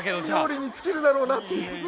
冥利に尽きるだろうなって。